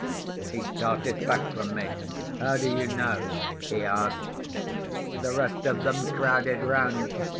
He started back from me. "How do you know?" he asked. The rest of them crowded round.